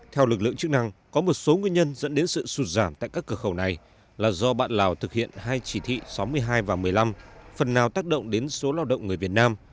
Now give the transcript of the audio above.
theo lực lượng chức năng có một số nguyên nhân dẫn đến sự sụt giảm tại các cửa khẩu này là do bạn lào thực hiện hai chỉ thị sáu mươi hai và một mươi năm phần nào tác động đến số lao động người việt nam